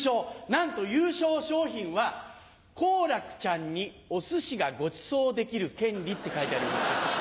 なんと優勝賞品は「好楽ちゃんにおすしがごちそうできる権利」って書いてありました。